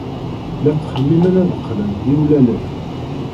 La ttxemmimen ad qqlen d iwlalen.